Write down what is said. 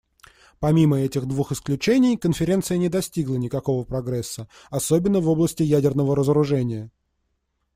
Помимо этих двух исключений, Конференция не достигла никакого прогресса, особенно в области ядерного разоружения.